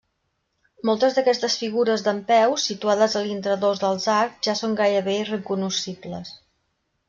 Moltes d'aquestes figures dempeus situades a l'intradós dels arcs ja són gairebé irrecognoscibles.